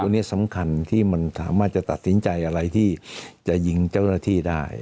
อันนี้สำคัญที่มันสามารถจะตัดสินใจอะไรที่จะยิงเจ้าหน้าที่ได้